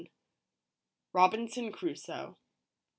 ROBINSON CRUSOE.